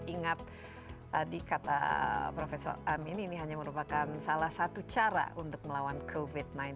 ingat tadi kata prof amin ini hanya merupakan salah satu cara untuk melawan covid sembilan belas